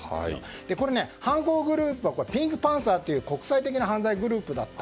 これ、犯行グループはピンクパンサーという国際的な犯罪グループだった。